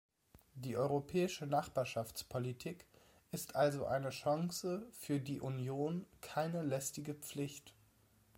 Die Europäische Nachbarschaftspolitik ist also eine Chance für die Union, keine lästige Pflicht.